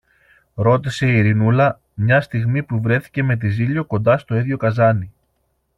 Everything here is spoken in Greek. ρώτησε η Ειρηνούλα, μια στιγμή που βρέθηκε με τη Ζήλιω κοντά στο ίδιο καζάνι.